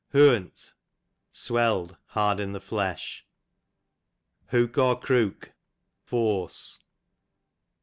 Hooant, sweWd, hard in the flesh. Hook or crook, fm ce.